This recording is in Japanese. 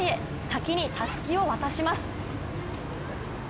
先にたすきを渡します。